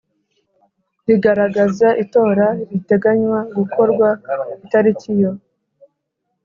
rigaragaza itora riteganywa gukorwa itariki yo